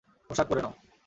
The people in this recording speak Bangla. পোষাক পরে নাও।